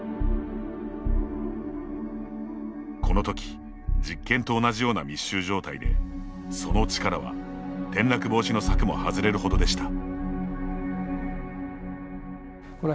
この時、実験と同じような密集状態でその力は、転落防止の柵も外れるほどでした。